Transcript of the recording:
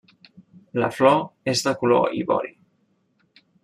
La flor és de color ivori.